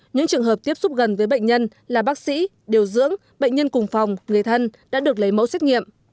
những trường hợp tiếp xúc gần với bệnh nhân là bác sĩ điều dưỡng bệnh nhân cùng phòng người thân đã được lấy mẫu xét nghiệm